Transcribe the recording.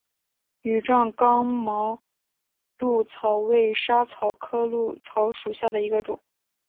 羽状刚毛藨草为莎草科藨草属下的一个种。